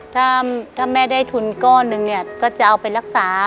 ถ้าแม่ได้ทุนก้อนหนึ่งเนี่ยก็จะเอาไปรักษา